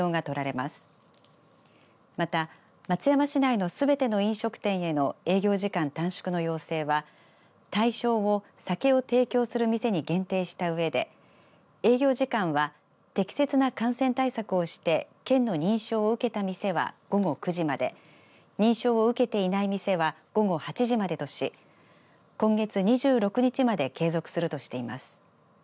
また松山市内のすべての飲食店への営業時間短縮の要請は対象を酒を提供する店に限定したうえで営業時間は適切な感染対策をして県の認証を受けた店は午後９時まで認証を受けていない店は午後８時までとし今月２６日まで継続するとしています。